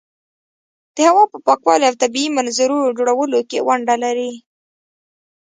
د هوا په پاکوالي او طبیعي منظرو جوړولو کې ونډه لري.